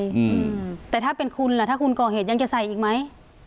อืมแต่ถ้าเป็นคุณล่ะถ้าคุณก่อเหตุยังจะใส่อีกไหม